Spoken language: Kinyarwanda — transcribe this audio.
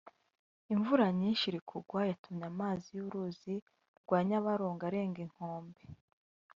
Imvura nyinshi iri kugwa yatumye amazi y’uruzi rwa Nyabarongo arenga inkombe